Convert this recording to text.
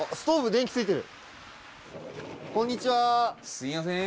すいません。